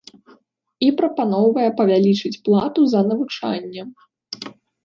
І прапаноўвае павялічыць плату за навучанне.